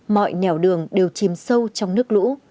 mọi nẻo đường đều chìm sâu trong nước lũ